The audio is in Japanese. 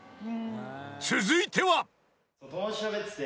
［続いては］